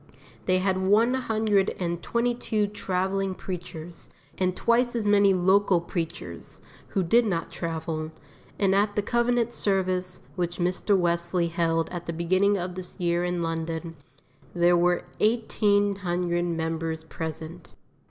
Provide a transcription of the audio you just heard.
They had one hundred and twenty two travelling preachers, and twice as many local preachers, who did not travel, and at the covenant service which Mr. Wesley held at the beginning of this year in London, there were eighteen hundred members present.